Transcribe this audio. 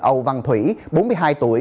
âu văn thủy bốn mươi hai tuổi